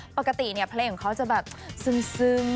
ปกติเนี่ยเพลงของเขาจะแบบซึ้ง